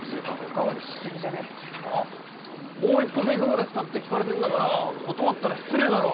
もう一服いかがですか？って聞かれてんだから断ったら失礼だろ！